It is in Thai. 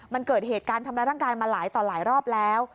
มันเกิดเหตุการณ์ทำร้ายร่างกายมาหลายต่อหลายรอบแล้ว